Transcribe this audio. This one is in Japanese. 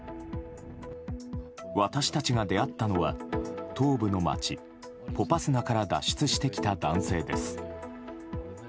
私たちが出会ったのは東部の街ポパスナから脱出してきた男性です。